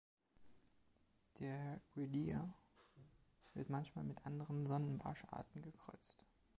Der Redear wird manchmal mit anderen Sonnenbarsch-Arten gekreuzt.